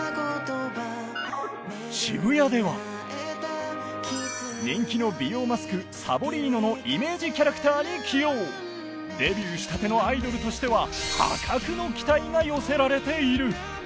渋谷では人気の美容マスクサボリーノのイメージキャラクターに起用デビューしたてのアイドルとしてはが寄せられている